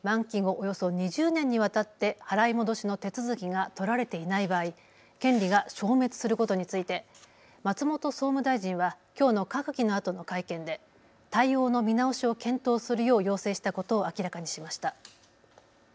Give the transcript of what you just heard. およそ２０年にわたって払い戻しの手続きが取られていない場合、権利が消滅することについて松本総務大臣はきょうの閣議のあとの会見で対応の見直しを検討するよう要請したことを明らかにしました。